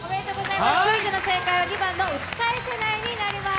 クイズの正解は２番の打ち返せないになります。